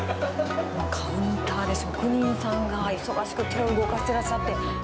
カウンターで職人さんが忙しく手を動かしてらっしゃって。